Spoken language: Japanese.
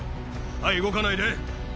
はい、動かないで。